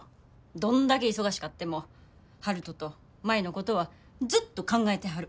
どんだけ忙しかっても悠人と舞のことはずっと考えてはる。